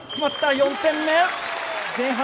４点目！